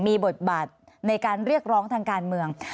มีบทบาทในการเรียกร้องทางการเมือง